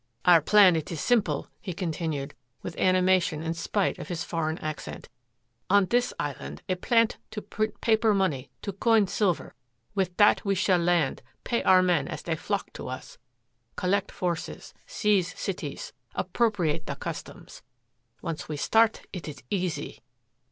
"Our plan, it is simple," he continued with animation in spite of his foreign accent. "On this island a plant to print paper money, to coin silver. With that we shall land, pay our men as they flock to us, collect forces, seize cities, appropriate the customs. Once we start, it is easy."